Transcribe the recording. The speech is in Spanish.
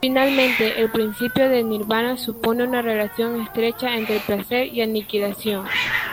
Finalmente, el principio de nirvana supone una relación estrecha entre placer y aniquilación.